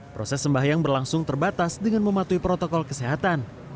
proses sembahyang berlangsung terbatas dengan mematuhi protokol kesehatan